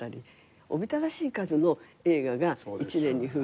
おびただしい数の映画が１年に封切られて。